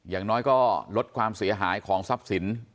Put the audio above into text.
อย่างน้อยก็ลดความเสียหายของทรัพย์สิน